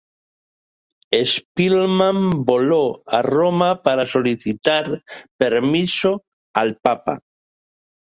Spellman voló a Roma para solicitar permiso al papa.